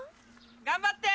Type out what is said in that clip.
頑張って！